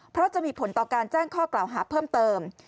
เพราะจะมีผลต่อการแจ้งข้อกล่าวหาเพิ่มเติม